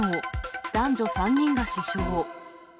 男女３人が死傷。